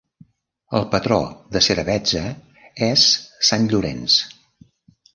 El patró de Seravezza és Sant Llorenç.